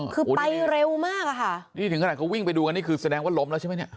คือไปเร็วมากอะค่ะนี่ถึงขนาดเขาวิ่งไปดูกันนี่คือแสดงว่าล้มแล้วใช่ไหมเนี่ย